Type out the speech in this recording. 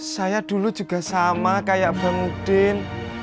saya dulu juga sama kayak bang udin